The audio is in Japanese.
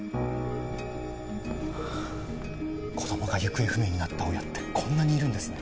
子供が行方不明になった親ってこんなにいるんですね。